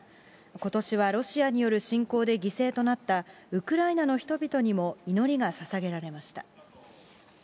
ことしはロシアによる侵攻で犠牲となった、ウクライナの人々にも祈りがささげられました。